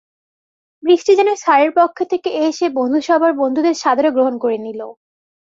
বৃষ্টি যেন স্যারের পক্ষ থেকে এসে বন্ধুসভার বন্ধুদের সাদরে গ্রহণ করে নিল।